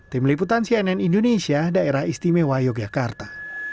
tim liputan cnn indonesia daerah istimewa yogyakarta